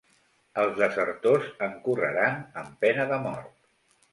Els desertors encorreran en pena de mort.